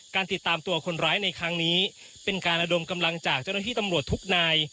ติดตามตัวคนร้ายในครั้งนี้เป็นการระดมกำลังจากเจ้าหน้าที่ตำรวจทุกนาย